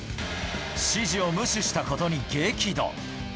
指示を無視したことに激怒。